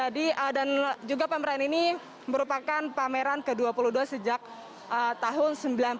dan juga pameran ini merupakan pameran ke dua puluh dua sejak tahun sembilan puluh sembilan